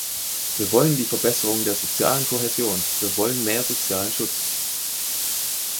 Wir wollen die Verbesserung der sozialen Kohäsion, wir wollen mehr sozialen Schutz.